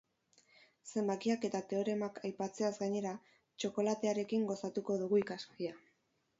Zenbakiak eta teoremak aipatzeaz gainera, txokolatearekin gozatuko dugu ikasgaia.